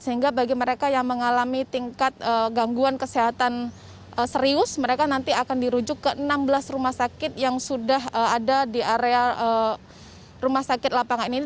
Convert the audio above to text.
sehingga bagi mereka yang mengalami tingkat gangguan kesehatan serius mereka nanti akan dirujuk ke enam belas rumah sakit yang sudah ada di area rumah sakit lapangan ini